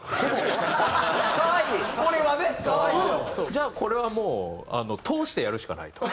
じゃあこれはもう通してやるしかないと。